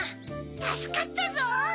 たすかったゾウ。